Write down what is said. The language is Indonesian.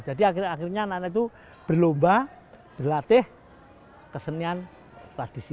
jadi akhir akhirnya anak anak itu berlomba berlatih kesenian tradisi